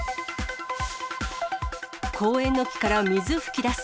公園の木から水噴き出す。